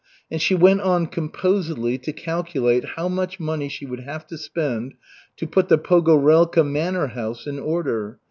And she went on composedly to calculate how much money she would have to spend to put the Pogorelka manor house in order.